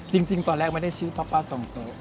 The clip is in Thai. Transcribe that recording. จริงตอนแรกไม่ได้ชื่อป้าสมโต๊ะ